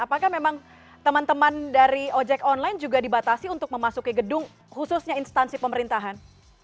apakah memang teman teman dari ojek online juga dibatasi untuk memasuki gedung khususnya instansi pemerintahan